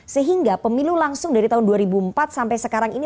sehingga pemilu langsung dari tahun dua ribu empat sampai sekarang ini